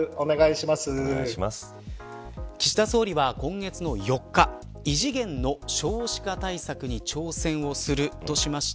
岸田総理は今月の４日異次元の少子化対策に挑戦をするとしました。